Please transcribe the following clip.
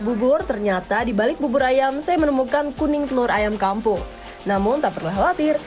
bubur ternyata dibalik bubur ayam saya menemukan kuning telur ayam kampung namun tak perlu khawatir